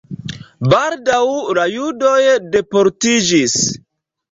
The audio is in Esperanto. Baldaŭ la judoj deportiĝis.